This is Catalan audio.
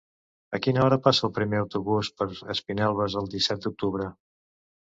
A quina hora passa el primer autobús per Espinelves el disset d'octubre?